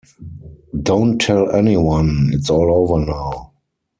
Don't tell any one, it's all over now.